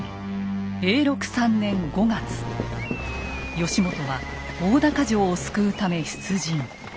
義元は大高城を救うため出陣。